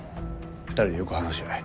２人でよく話し合え。